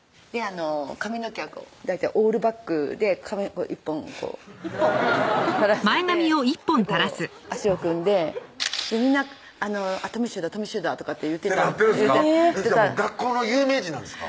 髪の毛を大体オールバックで髪を１本こう垂らしててこう脚を組んでみんな「とみしゅうだとみしゅうだ」とかって言ってた学校の有名人なんですか？